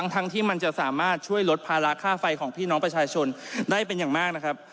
ทั้งที่มันจะสามารถช่วยลดภาระค่าไฟของพี่น้องประชาชนได้เป็นอย่างมากนะครับ